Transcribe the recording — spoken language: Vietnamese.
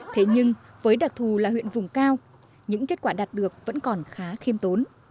thế nhưng với đặc thù là huyện vùng cao những kết quả đạt được vẫn còn khá khiêm tốn